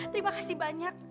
terima kasih banyak